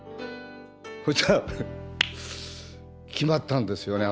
そしたら決まったんですよね